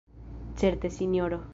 Certe, Sinjoro!